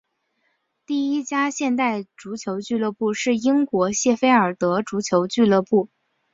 第一家现代足球俱乐部是英国谢菲尔德足球俱乐部。